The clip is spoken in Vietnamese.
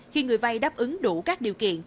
khi người vay đáp ứng đủ các điều kiện